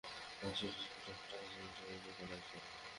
আর সেই সুযোগ টা এই ট্রান্সমিটারে লুকানো আছে।